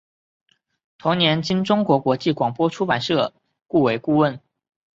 同年经中国国际广播出版社雇为顾问。